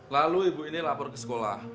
lalu ibu ini lapor ke sekolah